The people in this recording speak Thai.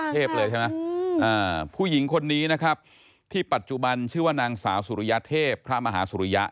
เธอก็หน้าตาสาสวยนา